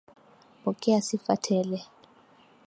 Pokea sifa tele.